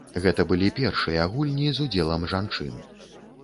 Гэта былі першыя гульні з удзелам жанчын.